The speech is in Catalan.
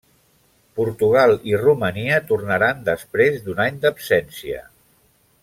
Portugal i Romania tornaran després d'un any d'absència.